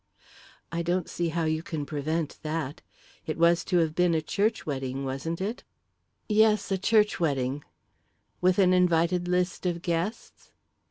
"I don't see how you can prevent that. It was to have been a church wedding, wasn't it?" "Yes; a church wedding." "With an invited list of guests?"